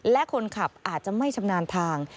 และคนขับอาจจะไม่ชำนาญทาง